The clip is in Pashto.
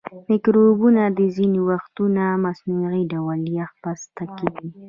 مکروبونه ځینې وختونه مصنوعي ډول یخ بسته کیږي.